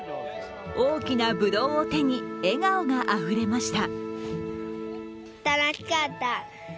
大きなぶどうを手に、笑顔があふれました。